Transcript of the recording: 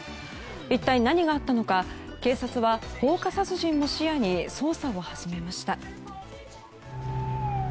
一体何があったのか警察は放火殺人も視野に捜査を始めました。